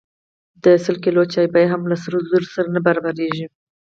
د سل کیلو چای بیه هم له سرو زرو سره نه برابریږي.